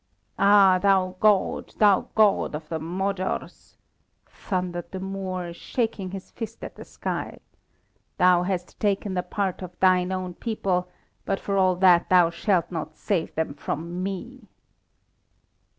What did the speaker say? "Ah, thou god thou God of the Magyars!" thundered the Moor, shaking his fist at the sky. "Thou hast taken the part of Thine own people, but for all that Thou shalt not save them from me!"